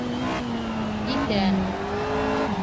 Иҫән.